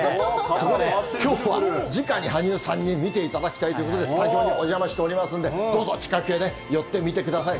そこできょうは、じかに羽生さんに見ていただきたいということで、スタジオにお邪魔しておりますんで、どうぞ、近くへ寄って見てください。